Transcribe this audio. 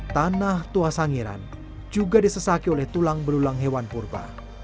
tanah tua sangiran juga disesaki oleh tulang berulang hewan purba